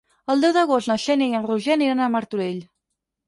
El deu d'agost na Xènia i en Roger aniran a Martorell.